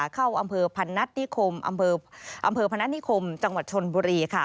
เข้าอำเภอพนัทนิคมจังหวัดชนบุรีค่ะ